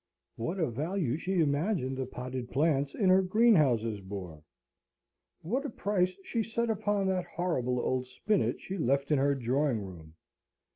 What a value she imagined the potted plants in her greenhouses bore! What a price she set upon that horrible old spinet she left in her drawing room!